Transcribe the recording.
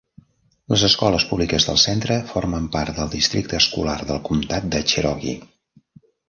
Les escoles públiques del centre formen part del districte escolar del comtat de Cherokee.